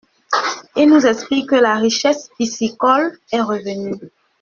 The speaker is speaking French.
Ils nous expliquent que la richesse piscicole est revenue.